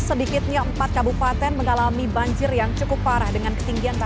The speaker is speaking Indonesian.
sedikitnya empat kabupaten mengalami banjir yang cukup parah dengan ketinggian